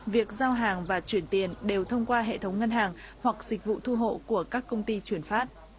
việc giao hàng và chuyển tiền đều thông qua hệ thống ngân hàng hoặc dịch vụ thu hộ của các công ty chuyển phát